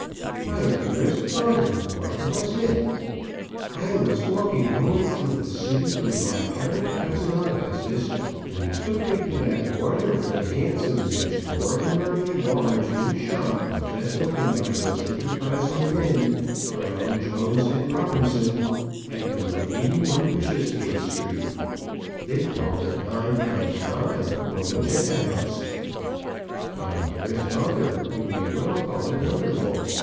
"My dearest daughter, what was it?" "I was walking home through the City, with my kind cousin Augustus, and he took me to that wonderfully handsome and extraordinarily large new shop, just opened by those enterprising men, Brown, Jones, and Robinson, at No. 81, Bishopsgate Street. They call it 'Nine Times Nine, or Magenta House.'" "My dearest daughter, you may well call it wonderful.